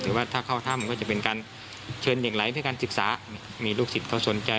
หรือว่าถ้าเข้าทำก็จะเป็นการเชิญเด็กหลายเพื่อการศึกษามีลูกศิษย์เขาสนใจ